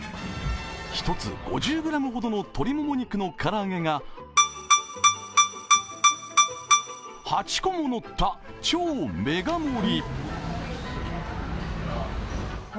１つ５０ｇほどの鶏もも肉の唐揚げが８個ものった超メガ盛り。